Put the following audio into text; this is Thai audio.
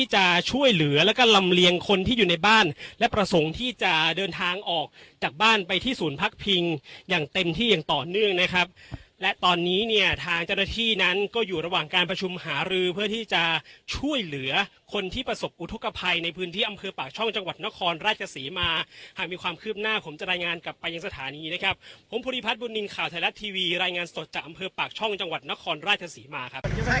ต่อเนื่องนะครับและตอนนี้เนี่ยทางจรฐีนั้นก็อยู่ระหว่างการประชุมหารือเพื่อที่จะช่วยเหลือคนที่ประสบอุทธกภัยในพื้นที่อำเครือปากช่องจังหวัดนครราชกษีมาหากมีความคืบหน้าผมจะรายงานกลับไปยังสถานีนะครับผมพุทธิพัฒน์บุญนินข่าวไทยรัดทีวีรายงานสดจากอำเครือปากช่องจังหวัดนครราชก